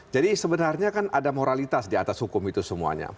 jadi sebenarnya kan ada moralitas di atas hukum itu semuanya